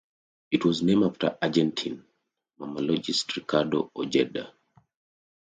It was named after Argentine mammalogist Ricardo Ojeda.